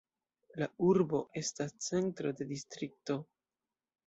La urbo estas centro de distrikto.